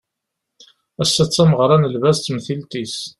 Ass-a d tameɣra n lbaz d temtilt-is